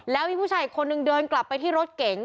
แล้วมีผู้ชายอีกคนนึงเดินกลับไปที่รถเก๋ง